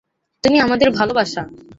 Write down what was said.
তুমি আমাদের ভালোবাসা।